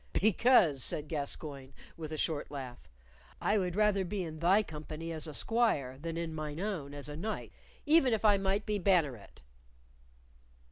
"Because," said Gascoyne, with a short laugh, "I would rather be in thy company as a squire than in mine own as a knight, even if I might be banneret."